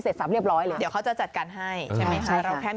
เสร็จสามเรียบร้อยเลยเดี๋ยวเขาจะจัดการให้ใช่ไหมค่ะเราแทนมี